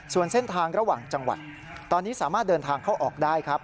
ส่วนเส้นทางระหว่างจังหวัดตอนนี้สามารถเดินทางเข้าออกได้ครับ